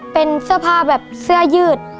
เป็นเสื้อผ้าแบบเสื้อยืด